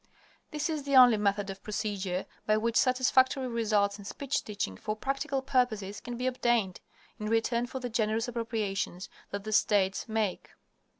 This is the only method of procedure by which satisfactory results in speech teaching for practical purposes can be obtained in return for the generous appropriations that the states make.